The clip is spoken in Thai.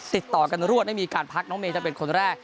ติดต่อกันรวดไม่มีการพักน้องเมย์จะเป็นคนแรก